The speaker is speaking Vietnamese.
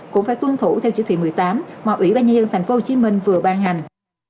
cũng phải tuân thủ theo chỉ thị một mươi tám mà ủy ban nhân dân tp hcm vừa ban hành